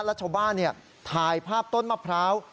แล้วชาวบ้านถ่ายภาพต้นมะพร้าว